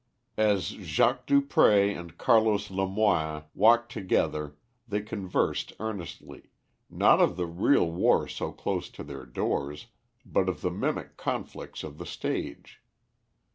As Jacques Dupré and Carlos Lemoine walked together they conversed earnestly, not of the real war so close to their doors, but of the mimic conflicts of the stage.